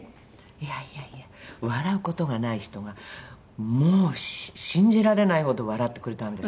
いやいやいや笑う事がない人がもう信じられないほど笑ってくれたんです